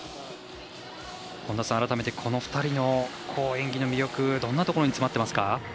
改めて、この２人の演技の魅力どんなところに詰まってますか。